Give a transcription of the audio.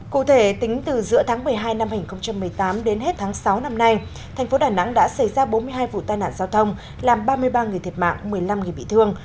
cụ thể tính từ giữa tháng một mươi hai năm hai nghìn một mươi tám đến hết tháng sáu năm nay thành phố đà nẵng đã xảy ra bốn mươi hai vụ tai nạn giao thông làm ba mươi ba người thiệt mạng một mươi năm người bị thương